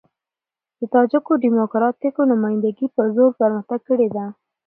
د تاجکو ډيموکراتيکه نمايندګي په زور برمته کړې ده.